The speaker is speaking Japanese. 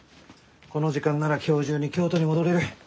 この時間なら今日中に京都に戻れる。